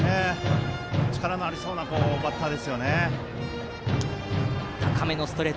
力のありそうなバッターですね。